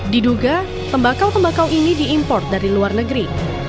diduga tembakau tembakau ini diimport dari luar negeri